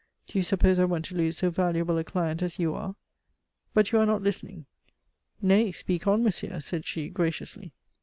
Do you suppose I want to lose so valuable a client as you are? But you are not listening." "Nay, speak on, monsieur," said she graciously.